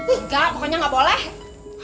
enggak pokoknya gak boleh